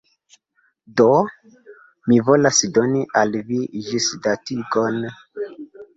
Do. Mi volas doni al vi ĝisdatigon